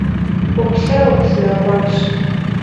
Vupseu, sınek'uenş.